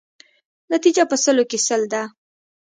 نتیجه په سلو کې سل ده.